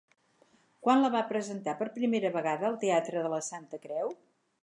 Quan la va presentar per primera vegada el teatre de la Santa Creu?